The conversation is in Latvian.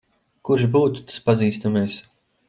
Kurš būtu tas pazīstamais?